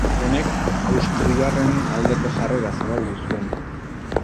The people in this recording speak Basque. Honek austriarren aldeko jarrera zabaldu zuen.